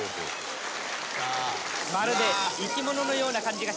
「まるで生き物のような感じがします」